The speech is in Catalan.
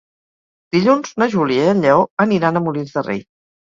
Dilluns na Júlia i en Lleó aniran a Molins de Rei.